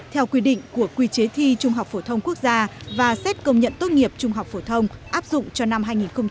theo quy định của quy chế thi trung học phổ thông quốc gia và xét công nhận tốt nghiệp trung học phổ thông áp dụng cho năm hai nghìn hai mươi